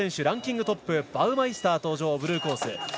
ランキングトップバウマイスター、ブルーコース。